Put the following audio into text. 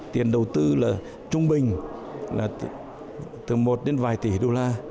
tiền đầu tư là trung bình là từ một đến vài tỷ đô la